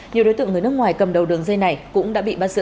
nhiều đối tượng người nước ngoài cầm đầu đường dây này cũng đã bị bắt giữ